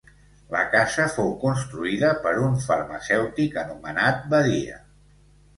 La casa fou construïda per un farmacèutic anomenat Badia.